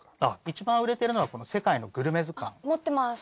一番売れてるのはこの『世界のグルメ図鑑』。持ってます。